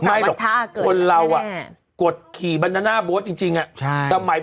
ไม่เราจะเว้นในแน่